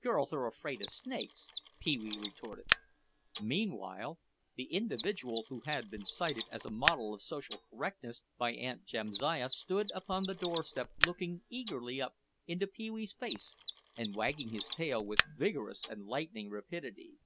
"Girls are afraid of snakes," Pee wee retorted. Meanwhile the individual who had been cited as a model of social correctness by Aunt Jamsiah stood upon the doorstep looking eagerly up into Pee wee's face and wagging his tail with vigorous and lightning rapidity.